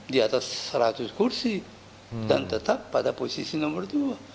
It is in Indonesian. di atas seratus kursi dan tetap pada posisi nomor dua